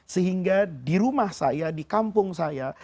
sehingga di rumah saya di kampung saya